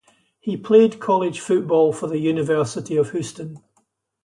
He played college football for the University of Houston.